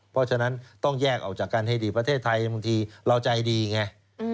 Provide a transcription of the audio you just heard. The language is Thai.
เพราะฉะนั้นต้องแยกออกจากกันให้ดีประเทศไทยบางทีเราใจดีไง